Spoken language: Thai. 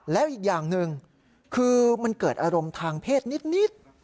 แล้วอีกอย่างหนึ่งคือมันเกิดอารมณ์ทางเพศนิด